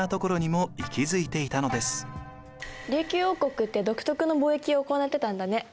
琉球王国って独特の貿易を行ってたんだね。